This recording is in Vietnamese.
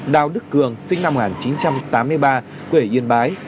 đào đức cường sinh năm một nghìn chín trăm tám mươi ba quê yên bái